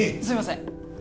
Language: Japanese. すいません